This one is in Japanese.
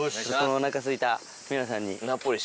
おなかすいた皆さんに。